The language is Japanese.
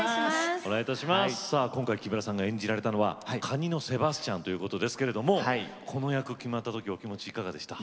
今回、木村さんが演じられたのはカニのセバスチャンということですけれどもこの役決まった時気持ちはいかがでしたか？